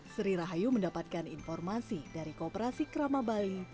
sri rahayu mendapatkan informasi dari kooperasi krama bali